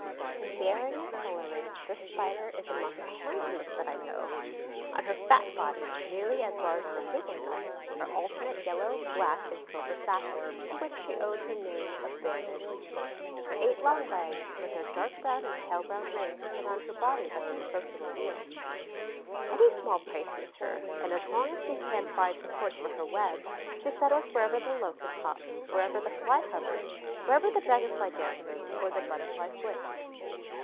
In bearing and coloring, this Spider is among the handsomest that I know. On her fat body, nearly as large as a hazel nut, are alternate yellow, black, and silver sashes, to which she owes her name of Banded. Her eight long legs, with their dark brown and pale brown rings, surround her body like the spokes of a wheel. Any small prey suits her; and, as long as she can find supports for her web, she settles wherever the Locust hops, wherever the Fly hovers, wherever the Dragon fly dances or the Butterfly flits.